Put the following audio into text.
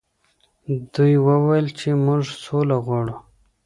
دوی وویل چې موږ سوله غواړو.